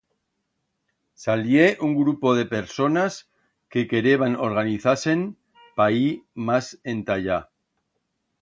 Salié un grupo de personas que quereban organizar-sen pa ir mas enta allá.